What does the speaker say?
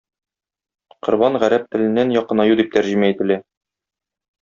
Корбан гарәп теленнән якынаю дип тәрҗемә ителә.